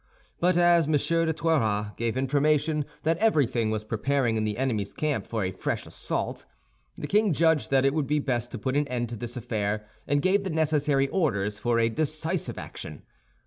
But as M. de Toiras gave information that everything was preparing in the enemy's camp for a fresh assault, the king judged that it would be best to put an end to the affair, and gave the necessary orders for a decisive action.